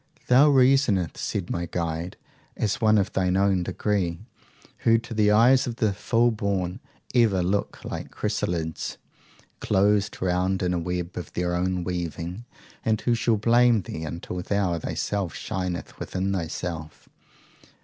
Thou reasonest, said my guide, as one of thine own degree, who to the eyes of the full born ever look like chrysalids, closed round in a web of their own weaving; and who shall blame thee until thou thyself shinest within thyself?